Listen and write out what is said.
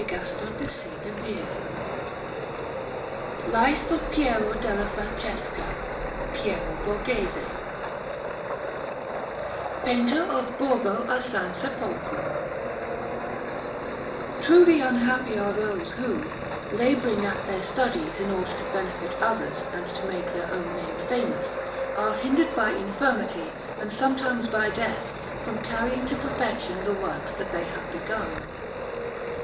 PIERO DELLA FRANCESCA LIFE OF PIERO DELLA FRANCESCA [PIERO BORGHESE] PAINTER OF BORGO A SAN SEPOLCRO Truly unhappy are those who, labouring at their studies in order to benefit others and to make their own name famous, are hindered by infirmity and sometimes by death from carrying to perfection the works that they have begun.